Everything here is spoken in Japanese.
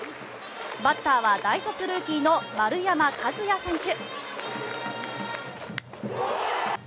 バッターは大卒ルーキーの丸山和郁選手。